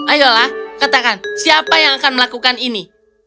ayolah katakan siapa yang akan melakukan ini